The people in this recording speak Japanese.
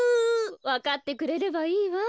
わかってくれればいいわ。